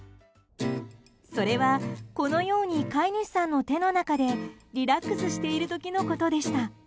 それは、このように飼い主さんの手の中でリラックスしている時のことでした。